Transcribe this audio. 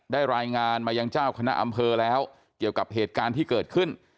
รายงานมายังเจ้าคณะอำเภอแล้วเกี่ยวกับเหตุการณ์ที่เกิดขึ้น